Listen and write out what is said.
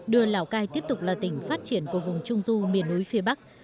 đưa lào cai tiếp tục là tỉnh phát triển của vùng trung du miền núi phía bắc